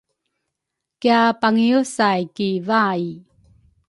kiapangiesay ki vai